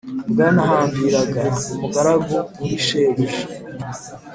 bwanahambiraga umugaragu kuri shebuja